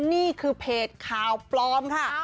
นี่คือเพจข่าวปลอมค่ะ